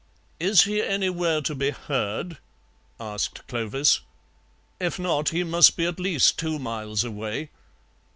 "Is he anywhere to be heard?" asked Clovis; "if not, he must be at least two miles away."